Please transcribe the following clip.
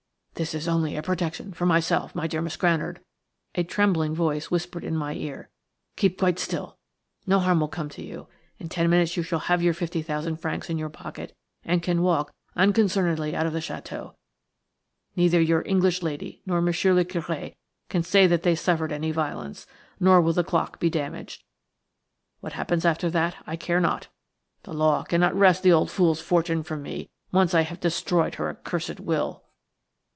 "This is only a protection for myself, my dear Miss Granard," a trembling voice whispered in my car; "keep quite still; no harm will come to you. In ten minutes you shall have your fifty thousand francs in your pocket, and can walk unconcernedly out of the château. Neither your English lady nor Monsieur le Curé can say that they suffered any violence, nor will the clock be damaged. What happens after that I care not. The law cannot wrest the old fool's fortune from me, once I have destroyed her accursed will."